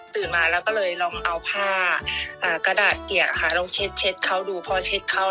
มาแล้วก็เลยลองเอาผ้ากระดาษเปียกค่ะลองเช็ดเขาดูพอเช็ดเขา